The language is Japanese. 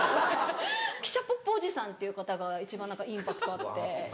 汽車ポッポおじさんっていう方が一番何かインパクトあって。